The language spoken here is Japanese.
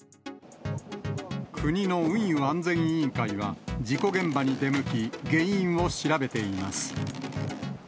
国の運輸安全委員会は、事故現場に出向き、原因を調べています。